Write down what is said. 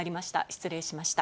失礼しました。